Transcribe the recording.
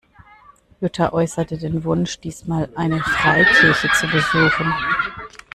Jutta äußerte den Wunsch, diesmal eine Freikirche zu besuchen.